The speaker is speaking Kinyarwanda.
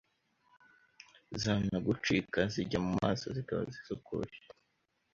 zanagucika zijya mu maso zikaba zisukuye